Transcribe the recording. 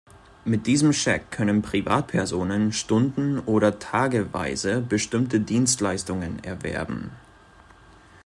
Mit diesem Scheck können Privatpersonen stundenoder tageweise bestimmte Dienstleistungen erwerben.